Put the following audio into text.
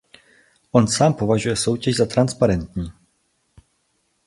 On sám považuje soutěž za transparentní.